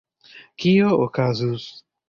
Kio okazus?